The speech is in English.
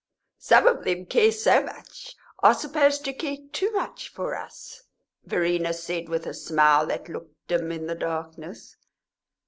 "Some of them care so much are supposed to care too much for us," Verena said, with a smile that looked dim in the darkness.